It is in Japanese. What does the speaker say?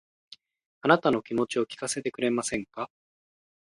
あなたの気持ちを聞かせてくれませんか